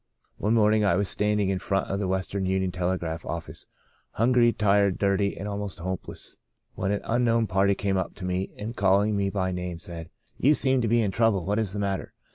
One morning I was standing in front of the Western Union Telegraph office, hungry, tired, dirty, and almost hopeless, when an unknown party came up to me and calling me by name said, * You seem to be in trouble. What is the matter